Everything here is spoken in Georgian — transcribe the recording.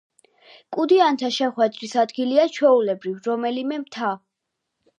კუდიანთა შეხვედრის ადგილია, ჩვეულებრივ, რომელიმე მთა.